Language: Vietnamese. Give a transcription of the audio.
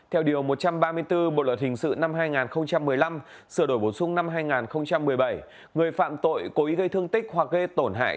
theo điều một trăm ba mươi bốn bộ luật hình sự năm hai nghìn một mươi năm sửa đổi bổ sung năm hai nghìn một mươi bảy người phạm tội cố ý gây thương tích hoặc gây tổn hại